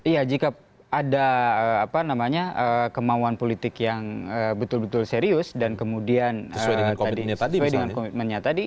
iya jika ada kemauan politik yang betul betul serius dan kemudian sesuai dengan komitmennya tadi